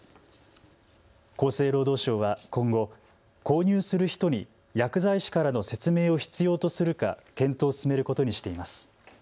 厚生労働省は今後、購入する人に薬剤師からの説明を必要とするか検討を進めることにしています。